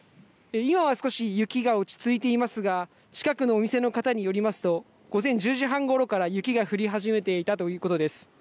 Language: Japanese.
今は少し雪が落ち着いていますが近くのお店の方によりますと午前１０時半ごろから雪が降り始めていたということです。